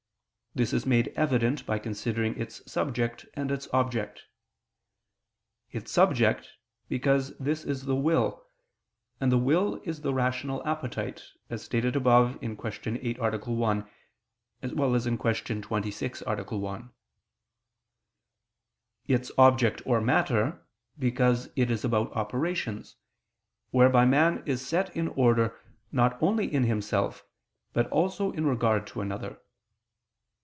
This is made evident by considering its subject and its object: its subject, because this is the will, and the will is the rational appetite, as stated above (Q. 8, A. 1; Q. 26, A. 1): its object or matter, because it is about operations, whereby man is set in order not only in himself, but also in regard to another.